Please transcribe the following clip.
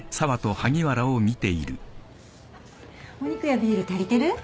・お肉やビール足りてる？